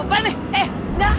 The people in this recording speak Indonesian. eh eh apaan nih eh